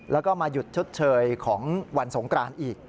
แล้วก็มาหยุดชดเชยของวันสงกรานอีก